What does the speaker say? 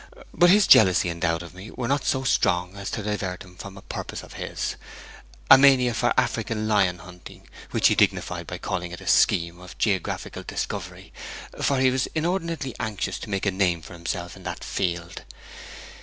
But his jealousy and doubt of me were not so strong as to divert him from a purpose of his, a mania for African lion hunting, which he dignified by calling it a scheme of geographical discovery; for he was inordinately anxious to make a name for himself in that field.